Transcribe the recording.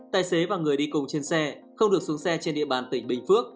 tài xế và người đi cùng trên xe không được xuống xe trên địa bàn tỉnh bình phước